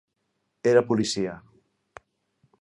Era policia.